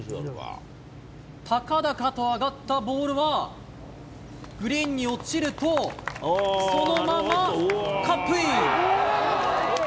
高々と上がったボールは、グリーンに落ちると、そのままカップイン。